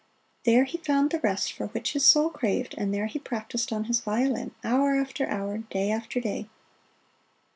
There he found the rest for which his soul craved, and there he practised on his violin hour after hour, day after day.